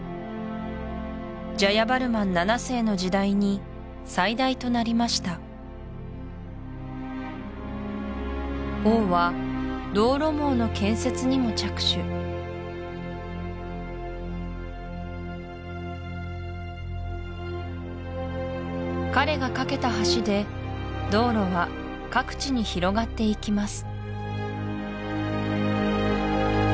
ジャヤバルマン７世の時代に最大となりました王は道路網の建設にも着手彼が架けた橋で道路は各地に広がっていきます